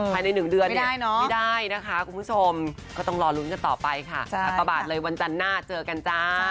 ภายใน๑เดือนเนี่ยไม่ได้นะคะคุณผู้ชมก็ต้องรอลุ้นกันต่อไปค่ะอากาศเลยวันจันทร์หน้าเจอกันจ้า